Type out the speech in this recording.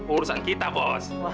urusan kita bos